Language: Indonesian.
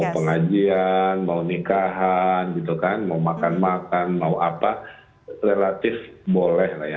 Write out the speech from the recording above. pengajian mau nikahan gitu kan mau makan makan mau apa relatif boleh lah ya